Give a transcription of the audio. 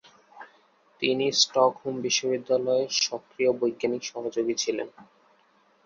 তিনি স্টকহোম বিশ্ববিদ্যালয়ের সক্রিয় বৈজ্ঞানিক সহযোগী ছিলেন।